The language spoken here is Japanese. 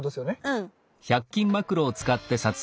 うん。